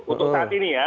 untuk saat ini ya